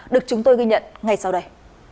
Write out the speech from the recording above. được chúng tôi ghi nhận ngay sau đây